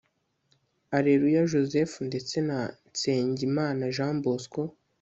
Areruya Joseph ndetse na Nsengimana Jean Bosco